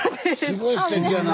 すごいすてきやな。